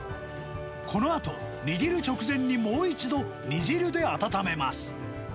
このあと握る直前にもう一度煮汁で温めます。